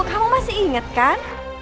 kamu masih ingat kan